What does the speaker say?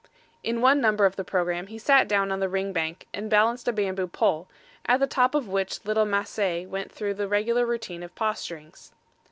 In one number of the programme he sat down on the ring bank and balanced a bamboo pole, at the top of which little Massay went through the regular routine of posturings.